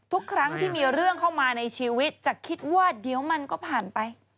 ทุกครั้งที่มีเรื่องเข้ามาในชีวิตจะคิดว่าเดี๋ยวมันก็ผ่านไป